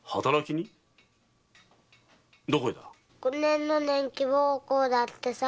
五年の年期奉公だってさ。